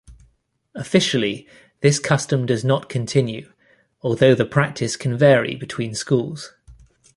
Officially this custom does not continue, although the practice can vary between schools.